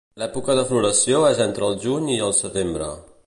L'època de floració és entre el Juny i el Setembre.